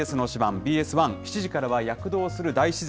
ＢＳ１、７時からは、躍動する大自然。